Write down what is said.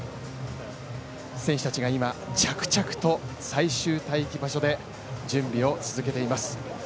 選手たちが今、着々と最終待機場所で準備を続けています。